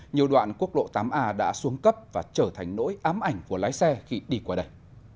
nhiều đoạn quốc lộ tám a đã xuống cấp và trở thành nỗi ám ảnh của lái xe khi đi qua đây